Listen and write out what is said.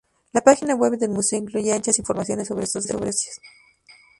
La página web del Museo incluye anchas informaciones sobre estos servicios.